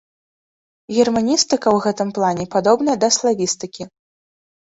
Германістыка ў гэтым плане падобная да славістыкі.